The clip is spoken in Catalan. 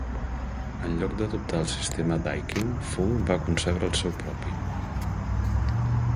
En lloc d'adoptar el sistema d'Aikin, Funk va concebre el seu propi.